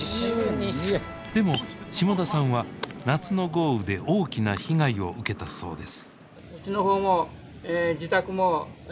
でも下田さんは夏の豪雨で大きな被害を受けたそうです